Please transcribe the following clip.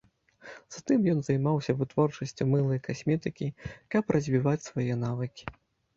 Затым ён займаўся вытворчасцю мыла і касметыкі, каб развіваць свае навыкі.